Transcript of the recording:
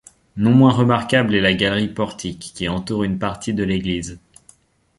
Non moins remarquable est la galerie-portique, qui entoure une partie de l'église.